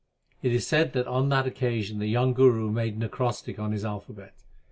It is said that on that occasion the young Guru made an acrostic on his alphabet.